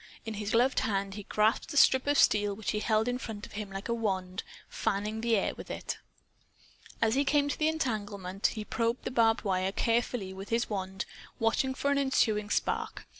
In his gloved hand he grasped a strip of steel which he held in front of him, like a wand, fanning the air with it. As he came to the entanglement, he probed the barbed wire carefully with his wand, watching for an ensuing spark.